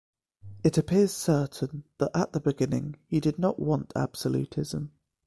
It appears certain that, at the beginning he did not want absolutism.